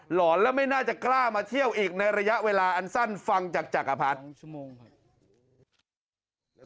หอนแล้วไม่น่าจะกล้ามาเที่ยวอีกในระยะเวลาอันสั้นฟังจากจักรพรรดิ